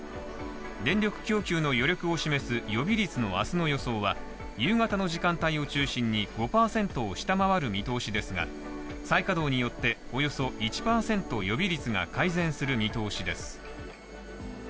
電力供給の余力を示す予備率の明日の予想は夕方の時間帯を中心に５％を下回る見通しですが再稼働によって、およそ１％予備率が改善する見通しです。